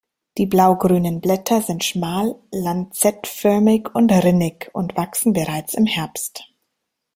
Die blaugrünen Blätter sind schmal, lanzettförmig und rinnig und wachsen bereits im Herbst.